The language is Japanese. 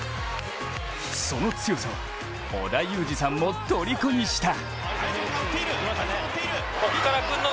その強さは織田裕二さんもとりこにした。